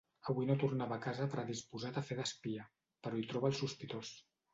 Avui no tornava a casa predisposat a fer d'espia, però hi troba el sospitós.